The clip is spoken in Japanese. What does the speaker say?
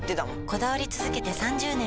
こだわり続けて３０年！